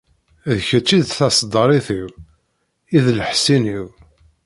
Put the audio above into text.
D kečč i d taseddarit-iw, i d leḥṣin-w.